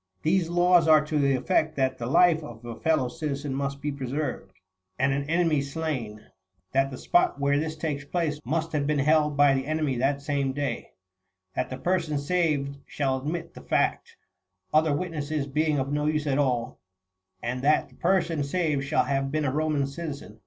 These laws are to the effect that the life of a fellow citizen must be preserved, and an enemy slain; that the spot where this takes place must have been held by the enemy that same day ; that the person saved shall admit the fact, other witnesses being of no use at all ; and that the person saved shall have been a Eoman citizen.